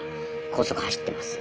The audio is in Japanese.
高速走ってます。